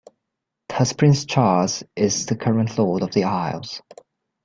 Thus Prince Charles is the current Lord of the Isles.